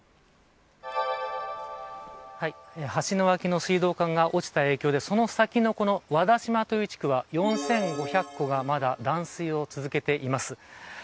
橋の脇の水道管が落ちた影響でその先の和田島という地区は４５００戸がまだ断水を続けています。